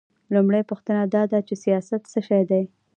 لومړۍ پوښتنه دا ده چې سیاست څه شی دی؟